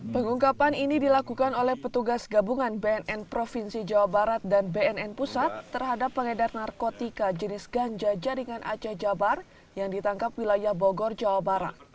pengungkapan ini dilakukan oleh petugas gabungan bnn provinsi jawa barat dan bnn pusat terhadap pengedar narkotika jenis ganja jaringan aceh jabar yang ditangkap wilayah bogor jawa barat